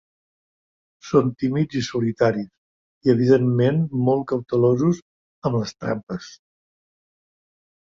Són tímids i solitaris, i evidentment molt cautelosos amb les trampes.